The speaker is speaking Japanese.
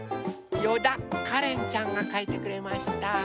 よだかれんちゃんがかいてくれました。